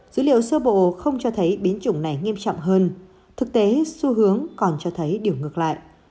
dữ liệu sơ bộ không cho thấy biến chủng này nghiêm trọng hơn thực tế xu hướng còn cho thấy điều ngược lại